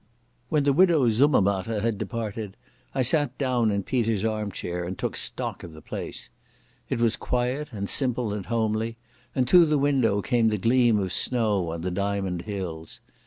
When the Widow Summermatter had departed I sat down in Peter's arm chair and took stock of the place. It was quiet and simple and homely, and through the window came the gleam of snow on the diamond hills.